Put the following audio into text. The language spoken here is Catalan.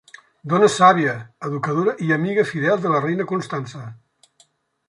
Dona sàvia, educadora i amiga fidel de la reina Constança.